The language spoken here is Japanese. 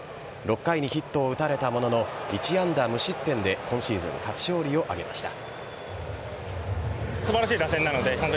６回にヒットを打たれたものの１安打無失点で今シーズン初勝利を挙げました。